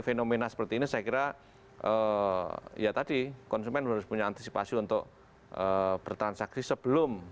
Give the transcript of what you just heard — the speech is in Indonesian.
fenomena seperti ini saya kira ya tadi konsumen harus punya antisipasi untuk bertransaksi sebelum